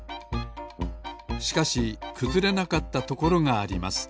しかしくずれなかったところがあります。